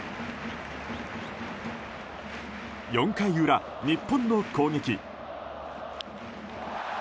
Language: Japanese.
４回裏、日本の攻撃。